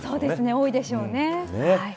多いでしょうね。